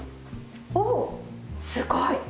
おぉすごい。